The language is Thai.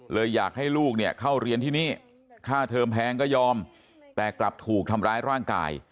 อยากให้ลูกเนี่ยเข้าเรียนที่นี่ค่าเทอมแพงก็ยอมแต่กลับถูกทำร้ายร่างกาย